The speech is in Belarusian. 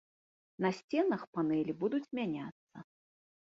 На сценах панэлі будуць мяняцца.